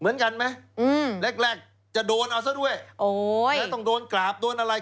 เหมือนกันไหมอืมแรกแรกจะโดนเอาซะด้วยโอ้ยแล้วต้องโดนกราบโดนอะไร